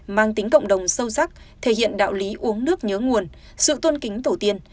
mang tính cộng đồng sâu sắc thể hiện đạo lý uống nước nhớ nguồn sự tôn kính tổ tiên